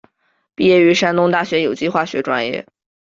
毕业于山东大学有机化学专业。